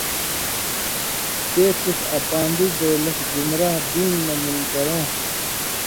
تے تُس، اپان٘دُو بېن٘لہ (گُمراہ) (دین نہ) منکُرؤں،